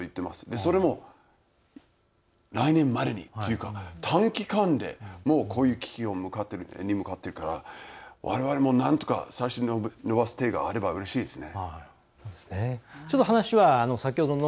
それも、来年までにというか短期間でこういう危機に向かっていくからわれわれもなんとか最新のものがあればうれしいですね。